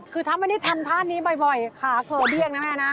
คือทำท่านี้บ่อยขาเครื่องเบี้ยงนะแม่นะ